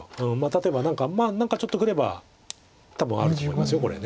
例えば何かまあ何かちょっとくれば多分あると思いますこれ。